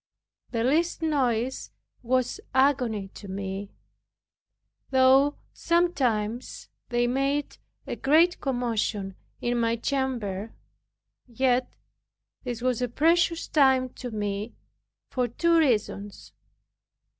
The least noise was agony to me, though sometimes they made a great commotion in my chamber. Yet this was a precious time to me, for two reasons.